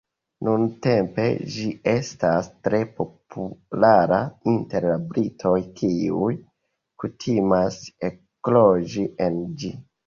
Nuntempe ĝi estas tre populara inter la britoj kiuj kutimas ekloĝi en ĝi.